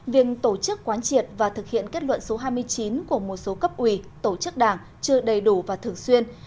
việc tổ chức quán triệt và thực hiện kết luận số hai mươi chín của một số cấp ủy tổ chức đảng chưa đầy đủ và thường xuyên